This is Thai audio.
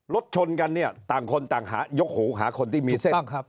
รถชนกันเนี่ยต่างคนต่างหายกหูหาคนที่มีเส้นครับ